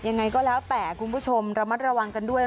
ยังไงก็แล้วแต่คุณผู้ชมระมัดระวังกันด้วย